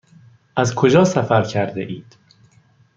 از کجا سفر کرده اید؟